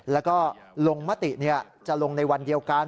แล้วก็ลงมติจะลงในวันเดียวกัน